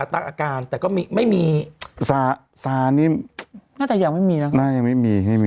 สารก็ยังไม่มียาศึกษา